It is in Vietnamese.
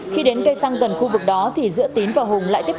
khi đến cây sang gần khu vực đó thì giữa tín và hùng lại tiếp nhận